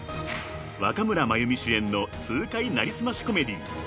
［若村麻由美主演の痛快成り済ましコメディー